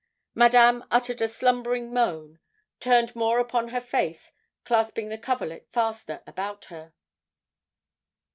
Madame uttered a slumbering moan, and turned more upon her face, clasping the coverlet faster about her.